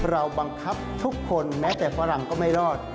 เราบังคับทุกคนแม้แต่ฝรั่งก็ไม่รอด